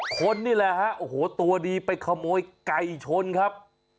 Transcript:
คนนี่แหละฮะโอ้โหตัวดีไปขโมยไก่ชนครับ